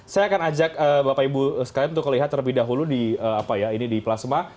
saya akan ajak bapak ibu sekalian untuk melihat terlebih dahulu di plasma